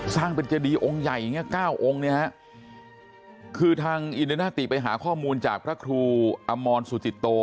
สร้างเป็นเจดีองค์ใหญ่อย่างเงี้เก้าองค์เนี่ยฮะคือทางอินเดนาติไปหาข้อมูลจากพระครูอมรสุจิตโต